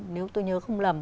nếu tôi nhớ không lầm